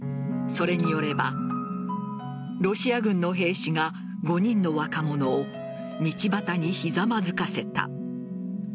それによればロシア軍の兵士が５人の若者を道端にひざまずかせた。